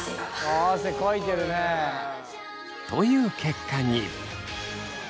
あ汗かいてるね！という結果に。